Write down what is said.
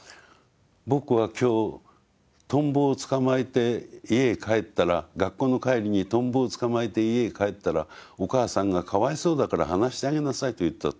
「僕は今日トンボをつかまえて家へ帰ったら学校の帰りにトンボをつかまえて家へ帰ったらお母さんがかわいそうだから放してあげなさいと言った。